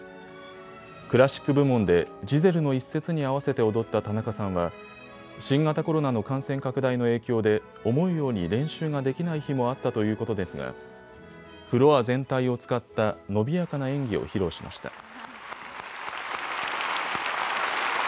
クラシック部門でジゼルの一節に合わせて踊った田中さんは新型コロナの感染拡大の影響で思うように練習ができない日もあったということですがフロア全体を使った伸びやかな演技を披露しました。